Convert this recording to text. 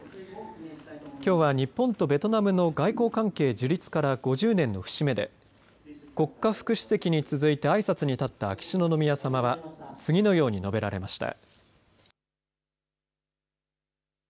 きょうは日本とベトナムの外交関係樹立から５０年の節目で国家副主席に続いてあいさつに立った秋篠宮さまは次のように述べられました。